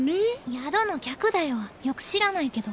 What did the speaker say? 宿の客だよよく知らないけど。